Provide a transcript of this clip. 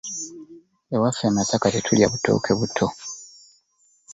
Ewaffe e Masaka tetulya butooke buto.